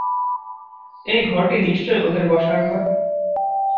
এই ঘরটি নিশ্চয়ই এদের বসার ঘর।